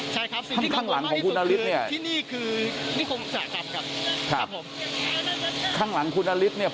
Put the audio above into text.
ใช่ครับข้างหลังของคุณอริฐข้างหลังของกุณอริฐนี่ครับ